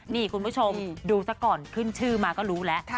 นี่คุณผู้ชมดูซะก่อนขึ้นชื่อมาก็รู้แล้ว